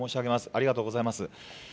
ありがとうございます。